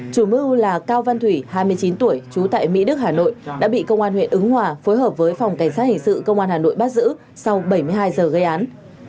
chủ mưu là cao văn thủy hai mươi chín tuổi trú tại mỹ đức hà nội đã bị công an huyện ứng hòa phối hợp với phòng cảnh sát hình sự công an hà nội bắt giữ sau bảy mươi hai giờ gây án